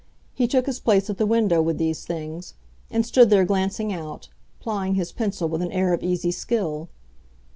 He took his place at the window with these things, and stood there glancing out, plying his pencil with an air of easy skill.